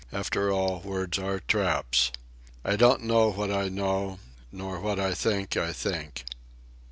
After all, words are traps. I don't know what I know, nor what I think I think.